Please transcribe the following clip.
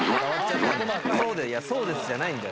「そうです」じゃないんだよ。